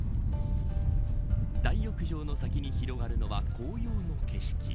大浴場の先に広がるのは紅葉の景色。